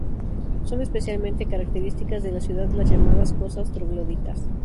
Son especialmente características de la ciudad las llamadas "Casas Trogloditas".